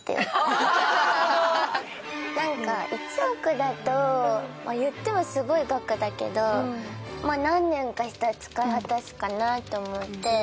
なんか１億だといってもすごい額だけどまあ何年かしたら使い果たすかなと思って。